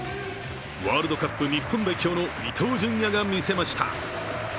ワールドカップ日本代表の伊東純也が見せました。